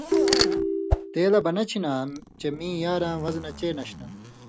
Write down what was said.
تے لہ بنچھی نا چےۡ ۔ میں یاراں وزنہ چے ناشانا